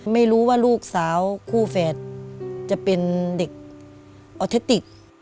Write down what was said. ไม่รู้ว่าลูกสาวคู่แฝดจะเป็นเด็กออเทติก